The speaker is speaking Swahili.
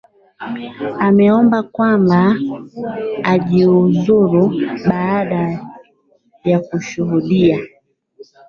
ameomba kwamba ajiuluzu baada ya kushuhudia